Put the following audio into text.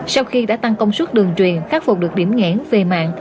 sau khi đã tăng công suất đường truyền khắc phục được điểm ngãn về mạng